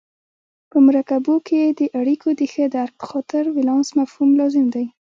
په مرکبونو کې د اړیکو د ښه درک په خاطر ولانس مفهوم لازم دی.